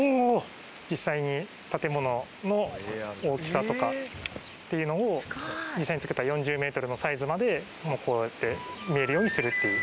さらに！とかっていうのを実際に造った４０メートルのサイズまでこうやって見えるようにするっていう。